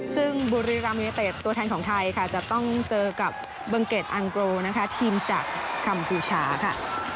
ซึ่งบุรีรัมยูเนเต็ดตัวแทนของไทยค่ะจะต้องเจอกับเบิงเกดอังโกนะคะทีมจากคัมพูชาค่ะ